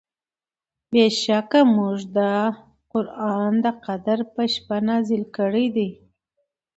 بېشکه مونږ دا قرآن د قدر په شپه نازل کړی دی